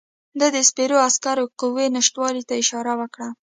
ده د سپرو عسکرو قوې نشتوالي ته اشاره وکړه.